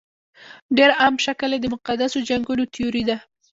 ډېر عام شکل یې د مقدسو جنګونو تیوري ده.